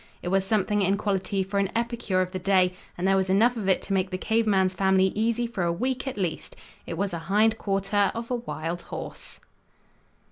It was something in quality for an epicure of the day and there was enough of it to make the cave man's family easy for a week, at least. It was a hind quarter of a wild horse.